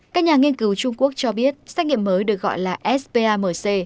các nhà nghiên cứu trung quốc cho biết xét nghiệm mới được gọi là spamc